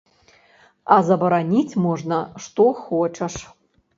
А забараніць можна што хочаш.